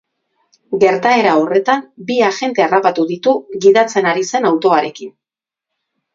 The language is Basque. Gertaera horretan bi agente harrapatu ditu gidatzen ari zen autoarekin.